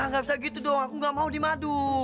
yah nggak bisa gitu dong aku nggak mau dimadu